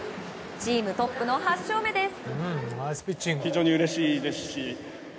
チームトップの８勝目です。